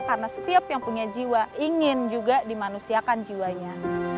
karena setiap yang punya jiwa ingin juga dimanusiakan jiwanya